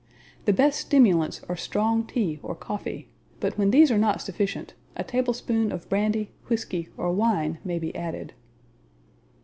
The best stimulants are strong tea or coffee; but when these are not sufficient, a tablespoon of brandy, whisky, or wine may be added.